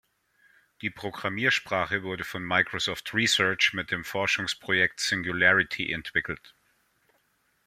Die Programmiersprache wurde von Microsoft Research mit dem Forschungsprojekt Singularity entwickelt.